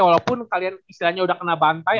walaupun kalian istilahnya udah kena bantai